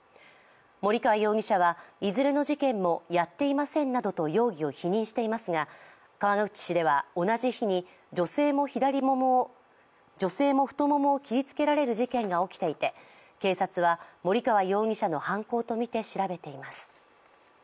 森川容疑者は、いずれの事件もやっていませんなどと容疑を否認していますが川口市では同じ日に女性も太ももを切りつけられる事件が起きていて警察は森川容疑者の犯行とみて調べています。